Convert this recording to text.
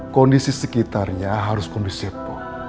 kondisi sekitarnya harus kondisi apa